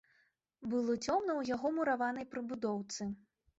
Было цёмна ў яго мураванай прыбудоўцы.